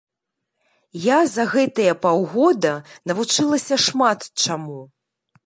Я за гэтыя паўгода навучылася шмат чаму.